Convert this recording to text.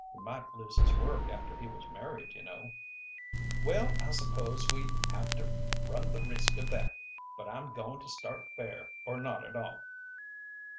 "He might lose his work after he was married, you know." "Well, I suppose we'd have to run the risk of that; but I'm goin' to start fair or not at all."